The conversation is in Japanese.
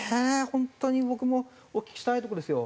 本当に僕もお聞きしたいとこですよ。